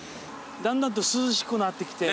だんだんと涼しくなってきて。